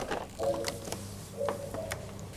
ওদিকে ক্রিকেটাররা ভাগতেছে আর এখানে এটা হাগতেছে।